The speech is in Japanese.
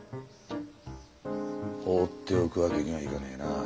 放っておくわけにはいかねえな。